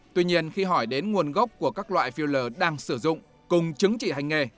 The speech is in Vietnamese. tuy nhiên khi hỏi đến nguồn gốc của các loại phiêu lờ đang sử dụng cùng chứng chỉ hành nghề